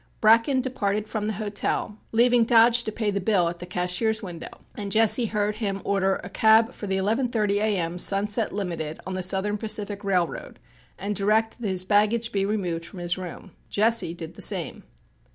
Bracken departed from the hotel, leaving Dodge to pay the bill at the cashier's window, and Jesse heard him order a cab for the 11.30 a.m. Sunset Limited on the Southern Pacific Railroad and direct that his baggage be removed from his room. Jesse did the same.